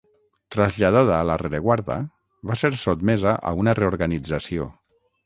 Traslladada a la rereguarda, va ser sotmesa a una reorganització.